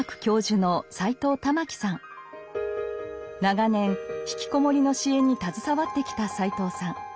長年引きこもりの支援に携わってきた斎藤さん。